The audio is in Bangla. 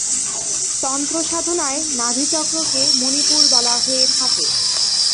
তন্ত্র সাধনায় নাভি-চক্রকে মনিপুর বলা হয়ে থাকে।